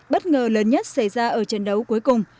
bất ngờ lớn nhất xảy ra ở trận đấu cuối cùng